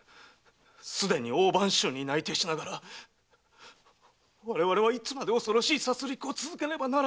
すでに大番衆に内定しながら我々はいつまで恐ろしい殺戮を続けねばならぬのだ⁉